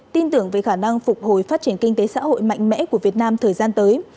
tin tưởng về khả năng phục hồi phát triển kinh tế xã hội mạnh mẽ của việt nam thời gian tới